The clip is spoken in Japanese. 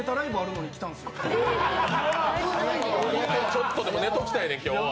ちょっとでも寝ときたいね今日は。